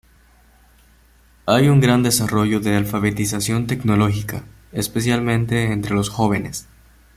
Hay un gran desarrollo de alfabetización tecnológica, especialmente entre los jóvenes.